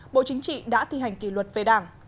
bộ chính trị đã thi hành kỷ luật về đảng